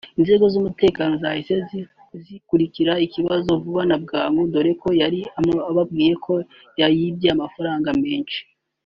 Inzego z’umutekano zahise zikurikirana ikibazo vuba na bwangu dore ko yari ababwiye ko yibwe amafaranga menshi